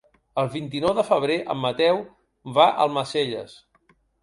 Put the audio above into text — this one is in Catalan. El vint-i-nou de febrer en Mateu va a Almacelles.